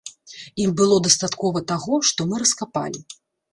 Ім было дастаткова таго, што мы раскапалі.